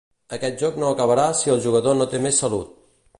Aquest joc no acabarà si el jugador no té més salut.